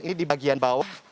ini di bagian bawah